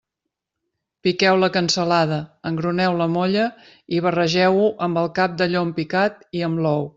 Piqueu la cansalada, engruneu la molla i barregeu-ho amb el cap de llom picat i amb l'ou.